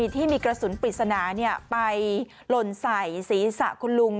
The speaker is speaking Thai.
ที่มีกระสุนปริศนาไปหล่นใส่ศีรษะคุณลุง